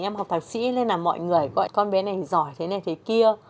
em học thạc sĩ nên là mọi người gọi con bé này giỏi thế này thế kia